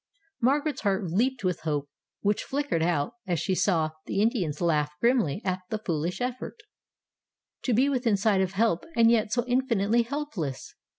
Margaret's heart leaped with hope, which flickered out as she saw the Indians laugh grimly at the foolish effort. To be within sight of help, and yet so infinitely helpless!